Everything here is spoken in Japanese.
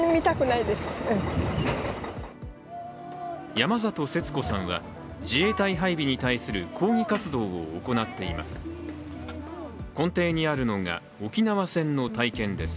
山里節子さんは、自衛隊配備に対する抗議活動を行っています。